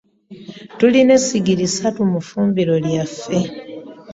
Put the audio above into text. Tulina esigiri ssatu mu ffumbiro lyaffe.